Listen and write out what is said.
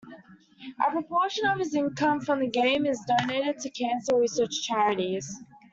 A proportion of his income from the game is donated to cancer research charities.